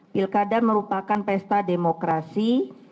pilkada merupakan pesta demokrasi